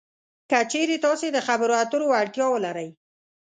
که چېرې تاسې د خبرو اترو وړتیا ولرئ